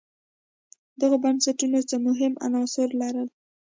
دغو بنسټونو څو مهم عناصر لرل.